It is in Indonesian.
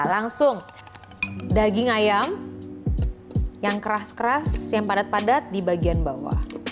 langsung daging ayam yang keras keras yang padat padat di bagian bawah